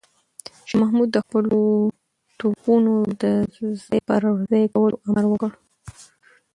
شاه محمود د خپلو توپونو د ځای پر ځای کولو امر وکړ.